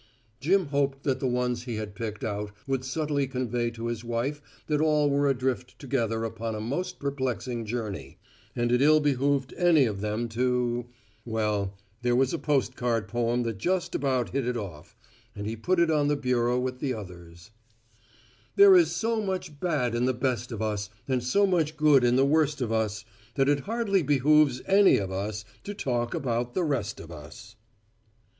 Jim hoped that the ones he had picked out would subtly convey to his wife that all were adrift together upon a most perplexing journey and that it ill behooved any of them to well there was a post card poem that just about hit it off and he put it on the bureau with the others: "THERE IS SO MUCH BAD IN THE BEST OF US AND SO MUCH GOOD IN THE WORST OF US, THAT IT HARDLY BEHOOVES ANY OF US TO TALK ABOUT THE REST OF US."